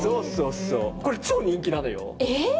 これ超人気なのよ。